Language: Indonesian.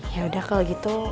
yaudah kalau gitu